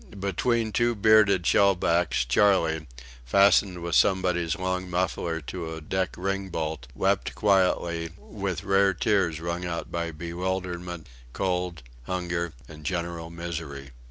Between two bearded shellbacks Charley, fastened with somebody's long muffler to a deck ring bolt, wept quietly, with rare tears wrung out by bewilderment, cold, hunger, and general misery.